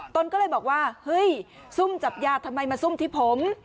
ตนก็เลยบอกว่าเฮ้ยซุ่มจับยาทำไมมาซุ่มที่ผม